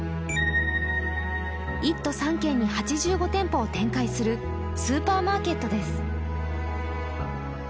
１都３県に８５店舗を展開するスーパーマーケットです。